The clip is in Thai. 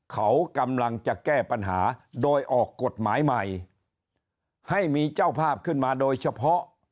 เขากำลังจะแก้ปัญหาโดยออกกฎหมายใหม่ให้มีเจ้าภาพขึ้นมาโดยเฉพาะ